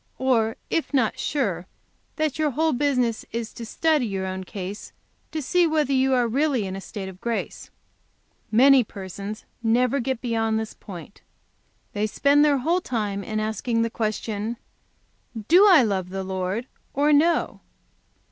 Or, if not sure, that your whole business is to study your own case to see whether you are really in a state of grace. Many persons never get beyond this point. They spend their whole time in asking the question: "'Do I love the Lord or no?